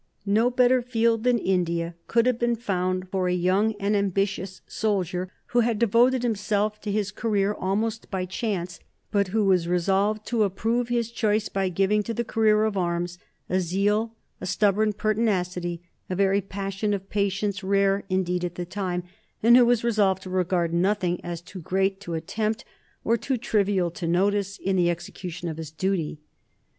No better field than India could have been found for a young and ambitious soldier who had devoted himself to his career almost by chance, but who was resolved to approve his choice by giving to the career of arms a zeal, a stubborn pertinacity, a very passion of patience, rare, indeed, at the time, and who was resolved to regard nothing as too great to attempt, or too trivial to notice, in the execution of his duty.